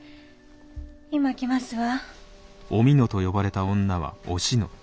今来ますわ。